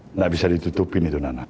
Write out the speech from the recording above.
tidak bisa ditutupin itu nana